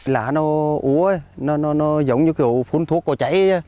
lá nó úa nó giống như kiểu phun thuốc có chảy